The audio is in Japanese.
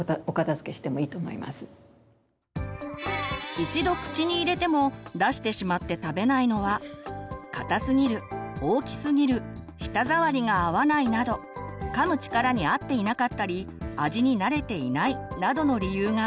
一度口に入れても出してしまって食べないのは硬すぎる大きすぎる舌触りが合わないなどかむ力に合っていなかったり味に慣れていないなどの理由があります。